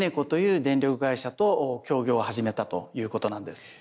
Ｅｎｅｃｏという電力会社と協業を始めたということなんです。